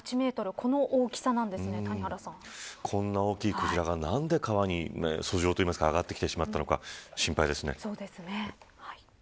この大きさなんですね谷原さん。こんな大きいクジラが何で川に遡上というか上がってきてしまったのか心配です。